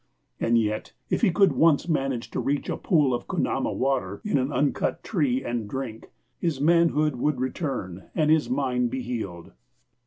And yet, if he could once manage to reach a pool of kunama water in an uncut tree and drink, his manhood would return and his mind be healed.